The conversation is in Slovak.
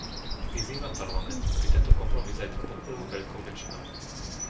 Vyzývam Parlament, aby tento kompromis zajtra podporil veľkou väčšinou.